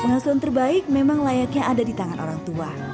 penghasilan terbaik memang layaknya ada di tangan orang tua